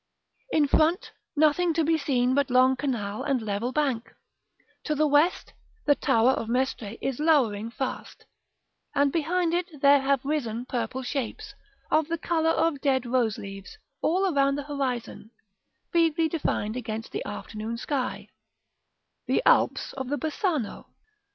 In front, nothing to be seen but long canal and level bank; to the west, the tower of Mestre is lowering fast, and behind it there have risen purple shapes, of the color of dead rose leaves, all round the horizon, feebly defined against the afternoon sky, the Alps of Bassano.